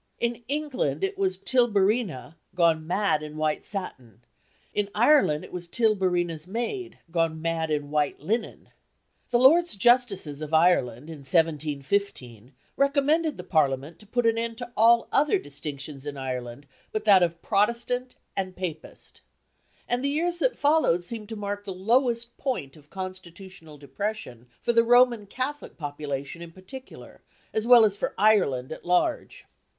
In England, it was Tilburina, gone mad in white satin; in Ireland it was Tilburina's maid, gone mad in white linen. The Lords Justices of Ireland, in 1715, recommended the Parliament to put an end to all other distinctions in Ireland "but that of Protestant and Papist." And the years that followed seem to mark the lowest point of constitutional depression for the Roman Catholic population in particular, as well as for Ireland at large.